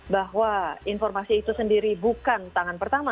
bahwa informasi itu sendiri bukan tangan pertama